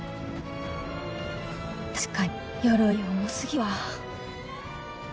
確かに鎧重すぎるわ。